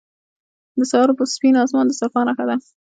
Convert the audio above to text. • د سهار سپین آسمان د صفا نښه ده.